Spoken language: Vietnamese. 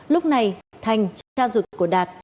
lúc này thành cha ruột của đạt